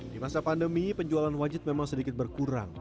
di masa pandemi penjualan wajib ini tidak jauh dari pabrik